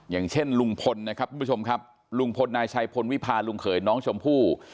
อย่างเช่นลุงพลนะครับทุกผู้ชมครับลุงพลนายชัยพลวิพาลุงเขยน้องชมพู่